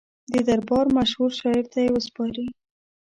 د دربار مشهور شاعر ته یې وسپاري.